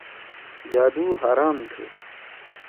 جادُو حرام تُھو۔